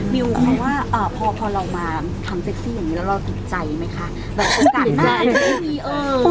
มิวเขาว่าพอเรามาทำเซ็กซี่อย่างงี้แล้วเราติดใจมั้ยค่ะ